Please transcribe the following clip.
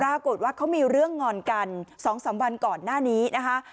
ปรากฏว่าเขามีเรื่องงอนกัน๒๓วันก่อนหน้านี้นะคะ